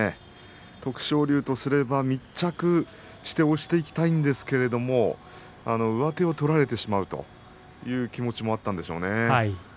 徳勝龍とすれば密着して押していきたいんですけれども上手を取られてしまうという気持ちもあったんでしょうね。